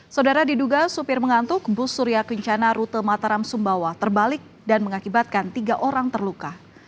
saudara diduga supir mengantuk bus surya kencana rute mataram sumbawa terbalik dan mengakibatkan tiga orang terluka